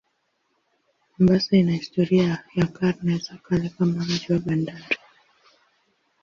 Mombasa ina historia ya karne za kale kama mji wa bandari.